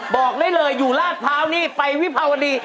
บอกได้เลยอยู่ลาดพร้าวนี่ไปวิภาวดี